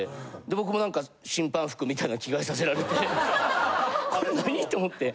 僕も何か審判服みたいなの着替えさせられてこれ何！？と思って。